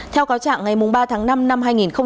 theo cáo trạng ngày ba tháng năm năm hai nghìn hai mươi